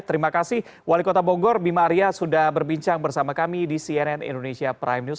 terima kasih wali kota bogor bima arya sudah berbincang bersama kami di cnn indonesia prime news